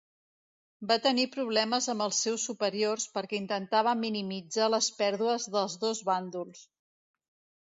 Va tenir problemes amb els seus superiors perquè intentava minimitzar les pèrdues dels dos bàndols.